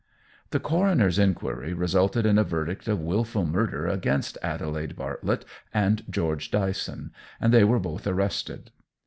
The coroner's inquiry resulted in a verdict of wilful murder against Adelaide Bartlett and George Dyson, and they were both arrested.